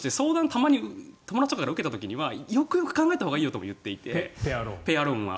たまに友だちとかから受けた時にはよくよく考えたほうがいいよと言っていてペアローンは。